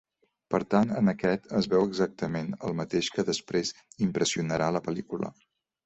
Per tant en aquest es veu exactament el mateix que després impressionarà la pel·lícula.